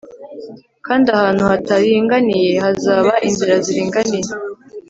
kandi ahantu hataringaniye hazaba inzira ziringaniye